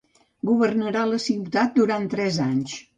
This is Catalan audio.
Governarà la ciutat durant tres anys.